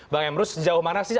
bang emrus sejauh mana sih